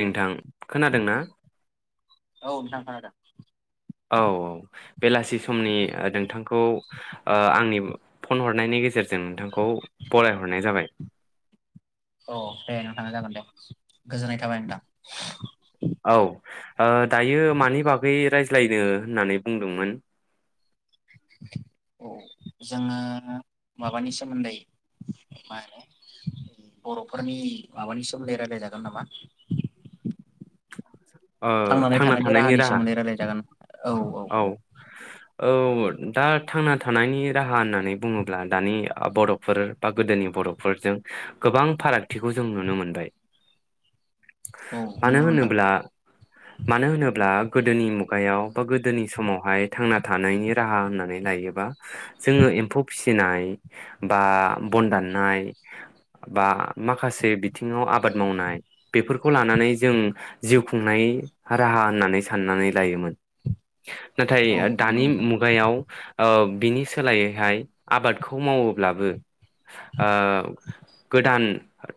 नोंथां खोनादों ना। औ नोंथां खोनादों। औ औ बेलासि समनि नोंथांखौ आंनि फन हरनायनि गेजेरजों जों नोंथांखौ फरायहरनाय जाबाय। औ दे नोंथांनाय जागोन दे गोजोननाय थाबाय नोंथां। औ दायो मानि बागै रायज्लायनो होननानै बुंदोंमोन। औ जोङो माबानि सोमोन्दै मा होनो बर'फोरनि माबानि सोमोन्दै रायलायजागोन नामा। [inaudible] थांनानै थांना थानायनि राहानि राहा सोमोन्दै रायलाय जागोन औ औ-औ-औ औ दा थांना थानायनि राहा होननानै बुङोब्ला दानि बर'फोर बा‌ गोदोनि बर'फोरजों गोबां फारागथिखौ जों नुनो मोनबाय औ मानो नोंगौ नोंथां होनोब्ला मानो होनोब्ला गोदोनि मुगायाव बा गोदोनि समावहाय थांना थानायनि राहा होननानै लायोबा जोङो एम्फौ फिसिनाय बा बन दाननाय बा माखासे बिथिङाव आबाद मावनाय बेफोरखौ लानानै जों जिउ खुंनाय राहा होननानै साननानै लायोमोन नाथाय औ नंगौ दानि नोंथां मुगायाव ओब बिनि सोलायैहाय आबादखौ मावोब्लाबो ओ गोदान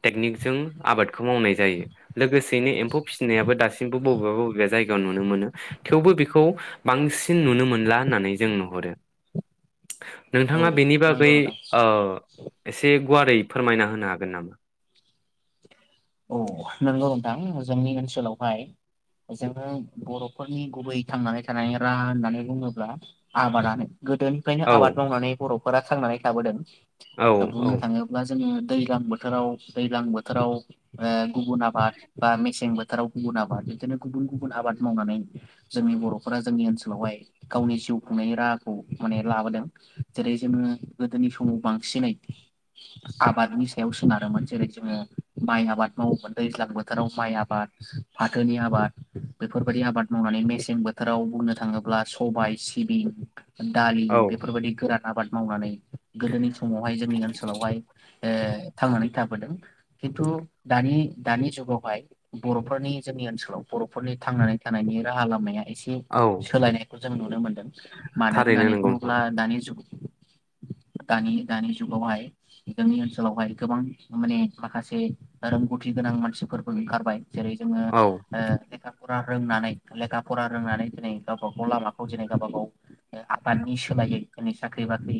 टेकनिकजों आबादखौ मावनाय जायो लोगोसेनो एम्फौ नायाब दासिम बबेबा-बबेबा जायगायाव नुनो मोनो थेवबो बेखौ बांसिन नुनो मोनला होननानै जों नुहरो औ नोंथाङा बेनि नंगौ बागै नोंथां ओ एसे गुवारै फोरमायना होनो हागोन नामा? औ नंगौ नोंथां जोंनि ओनसोलावहाय जोङो बर'फोरनि गुबै थांनानै थानाय राहा होननानै बुङोब्ला आबादानो गोदोनिफ्रायनो औ आबाद मावनानै बर' हरा खांनानै थाबोदों औ औ बुंनो थाङोब्ला जोंङो दैज्लां बोथोराव-दैज्लां बोथोराव ओ गुबुन आबाद बा मेसें बोथोराव गुबुन आबाद बिदिनो गुबुन गुबुन आबाद मावनानै जोंनि बर'फोरा जोंनि ओनसोलावहाय गावनि जिउ खुंनायनि राहाखौ माने लाबोदों जेरै जोङो गोदोनि समाव बांसिनै आबादनि सायाव सोनारोमोन जेरै जोङो माइ आबाद आबाद मावोमोन दैज्लां बोथोराव माइ आबाद फाथोनि आबाद बेफोरबायदि आबाद मावनानै मेसें बोथोराव बुंनो थाङोब्ला सबाय सिबिं दालि औ बेफोरबायदि गोरा आबाद मावनानै गोदोनि समावहाय जोंनि ओनसोलावहाय ओ थांनानै थाबोदों खिन्थु दानि-दानि जुगावहाय बर'फोरनि जोंनि ओनसोलाव बर'फोरनि थांनानै थानायनि राहा लामाया एसे औ सोलायनाय जों नुनो मोन मानो थारैनो होननानै नंगौ नोंथां बुङोब्ला दानि जुग दानि दानि जुगावहाय जोंनि ओनसोलावहाय गोबां माने माखासे रोंगौथि गोनां मानसिफोरबो ओंखारबाय। जेरै जोङो औ ओ फरा रोंनानै लेखा फरा रोंनानै दिनै गावबा गाव लामाखौ दिनै गावबा गाव आफादनि सोलायै दिनै साख्रि बाख्रि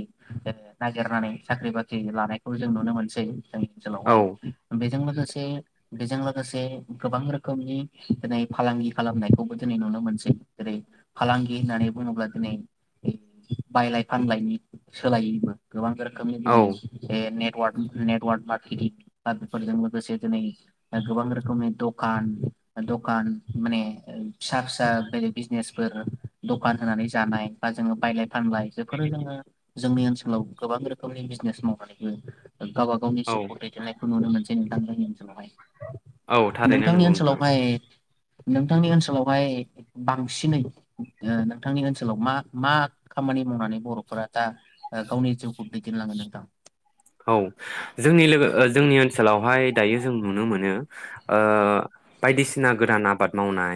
नागिरनानै साख्रि बाख्रि लानायखौ जों नुनो मोनसै जोंनि औ ओनसोलावहाय बे बेजों लोगोसे बेजों लोगोसे गोबां रोखोमनि दिनै फालांगि खालामनायखौबो दिनै नुनो मोनसै जेरै फालांगि होननानै बुङोब्ला दिनै बायलाय फानलायनि सोलायैबो गोबां रोखोमनि औ दिनै बे ने नेतवर्क नेतवर्क मार्किटिं फोरजों लोगोसे दिनै गोबां रोखोमनि दखान दखान माने फिसा फिसा बेदि बिजनेसफोर दखान होनानै जानाय बा जोङो बायलाय फानलाय बेफोरो जोङो जोंनि ओनसोलाव गोबां रोखोमनि बिजनेस मावनानैबो गावबा गावनि औ जिउखौ दैदेननायखौ नुनो मोनसै। औ [unintelligible] ओनसोलावहाय थारैनो नोंथांनि नंगौ नोंथां ओनसोलावहाय नोंथांनि ओनसोलावहाय बांसिनै ओ नोंथांनि ओनसोलाव मा मा खामानि मावनानै बर'फोरा दा ओ गावनि जिउखौ दैदेनलाङो नोंथां? औ जोंनि लोगो ओ जोंनि ओनसोलावहाय दायो जों नुनो मोनो ओ बायदिसिना गोदान आबाद मावनाय।